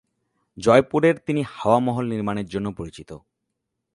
জয়পুরের তিনি হাওয়া মহল নির্মাণের জন্য পরিচিত।